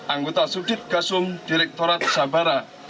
anggota sudir kasum direktorat sabara